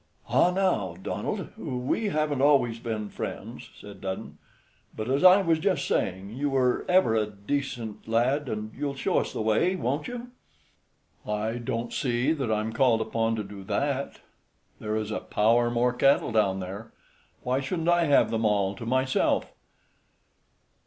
"Ah now, Donald, we haven't always been friends," said Dudden, "but, as I was just saying, you were ever a decent lad, and you'll show us the way, won't you?" "I don't see that I'm called upon to do that; there is a power more cattle down there. Why shouldn't I have them all to myself?"